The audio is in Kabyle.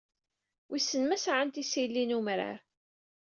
Wissen ma sɛant isili n umrar.